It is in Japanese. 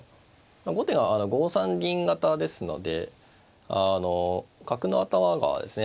後手が５三銀型ですので角の頭がですね